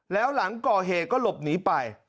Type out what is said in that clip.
แล้วหลังก่อเหตุก็หลบหนีไป